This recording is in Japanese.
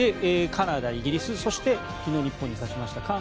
カナダ、イギリスそして昨日日本に勝ちました